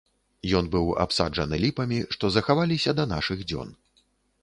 Ён быў абсаджаны ліпамі, што захаваліся да нашых дзён.